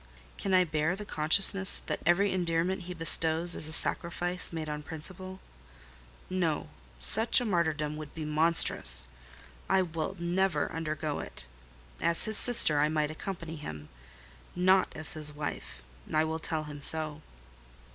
Can I bear the consciousness that every endearment he bestows is a sacrifice made on principle? No: such a martyrdom would be monstrous. I will never undergo it. As his sister, I might accompany him—not as his wife: I will tell him so."